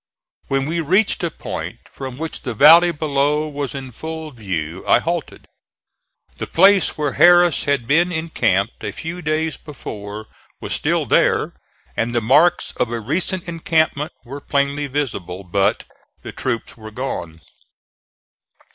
When we reached a point from which the valley below was in full view I halted. The place where Harris had been encamped a few days before was still there and the marks of a recent encampment were plainly visible, but the troops were gone.